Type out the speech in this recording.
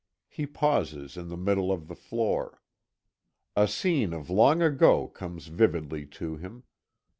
He pauses in the middle of the floor. A scene of long ago comes vividly to him.